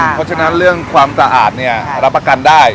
เพราะฉะนั้นเรื่องความสะอาดเนี่ยรับประกันได้